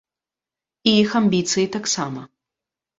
І іх амбіцыі таксама.